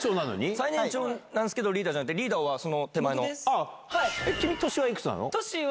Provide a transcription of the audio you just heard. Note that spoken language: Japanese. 最年長なんすけど、リーダーじゃなくて、リーダーはその手前の。君年はいくつなの？